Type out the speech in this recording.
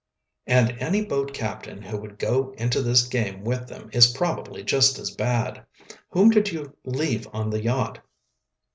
"And any boat captain who would go into this game with them is probably just as bad. Whom did you leave on the yacht?"